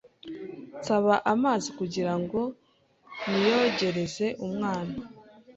nsaba amazi kugirango niyogereze umwana